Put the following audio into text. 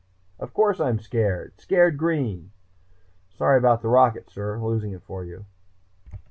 Of course I'm scared! Scared green. Sorry about the rocket, sir, losing it for you....